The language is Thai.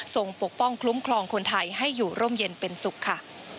ปกป้องคลุ้มครองคนไทยให้อยู่ร่มเย็นเป็นสุขค่ะ